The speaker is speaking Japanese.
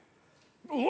うわ！